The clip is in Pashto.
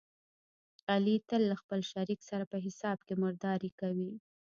علي تل له خپل شریک سره په حساب کې مردارې کوي.